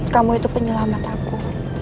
kamu itu penyelamat aku